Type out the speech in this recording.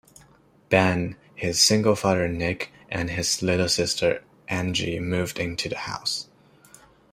Ben, his single father Nick, and his little sister Angie move into the house.